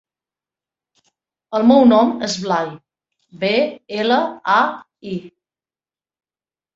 El meu nom és Blai: be, ela, a, i.